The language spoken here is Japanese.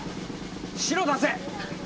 白出せ！